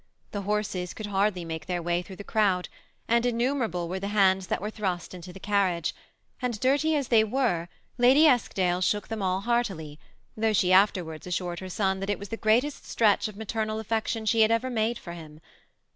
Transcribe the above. The horses could hardly make their way through the crowd, and innumerable were the hands that were thrust into the carriage ; and dirty as they were, Lady Eskdale shook them all heartily, though she afterwards assured her son that it was the greatest stretch of mater nal affection she had ever made for him.